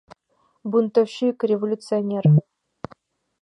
Бунтовщик, революционер!..